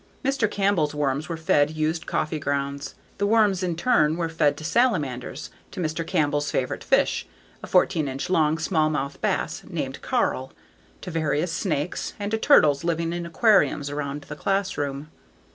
Mr. Campbell's worms were fed used coffee grounds; the worms in turn were fed to salamanders, to Mr. Campbell's favorite fish, a fourteen inch long smallmouth bass named Carl, to various snakes, and to turtles living in aquariums around the classroom.